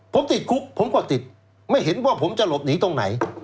ผมติดคุกผมก็ติดไม่เห็นว่าผมจะหลบหนีตรงไหน